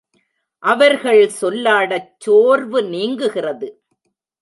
அவர்கள் சொல்லாடச் சோர்வு நீங்குகிறது.